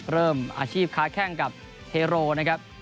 เริ่มอาชีพค้าแข้งกับเทโรนะครับ